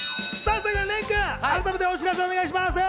最後に廉君、改めてお知らせお願いします。